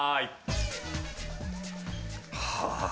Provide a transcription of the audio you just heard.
はあ？